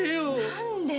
何で？